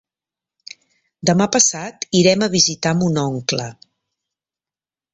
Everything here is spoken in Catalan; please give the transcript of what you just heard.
Demà passat irem a visitar mon oncle.